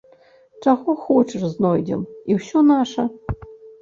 Чаго хочаш знойдзем, і ўсё наша.